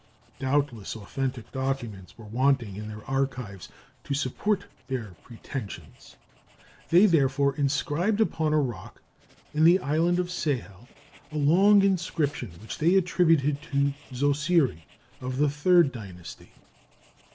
Doubtless authentic documents were wanting in their archives to support their pretensions: they therefore inscribed upon a rock, in the island of Sehel, a long inscription which they attributed to Zosiri of the III dynasty.